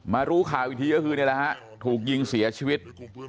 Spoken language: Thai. มารู้ข่าววิธีก็คือถูกยิงเสียชีวิต